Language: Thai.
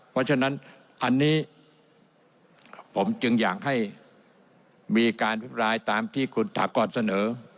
เพราะฉะนั้นอันนี้ผมจึงอยากให้มีการอภิปรายตามที่คุณถากรเสนอ